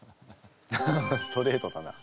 ハハハストレートだな。